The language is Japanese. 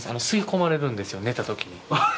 吸い込まれるんですよ、寝たとき。